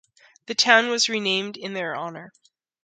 The town was renamed in their honor.